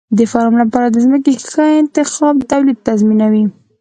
د فارم لپاره د ځمکې ښه انتخاب د تولید تضمینوي.